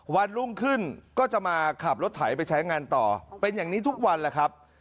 วันรุ่งขึ้นก็จะมาขับรถไถไปใช้งานต่อเป็นอย่างนี้ทุกวันแหละครับ